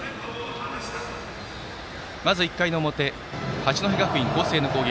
まず１回の表八戸学院光星の攻撃。